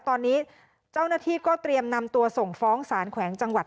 ตอนนี้เจ้าหน้าที่ก็เตรียมนำตัวส่งฟ้องสารแขวงจังหวัด